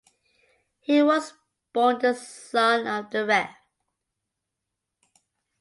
He was born the son of the Rev.